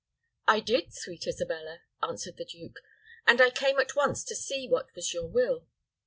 "I did, sweet Isabella," answered the duke; "and I came at once to see what was your will."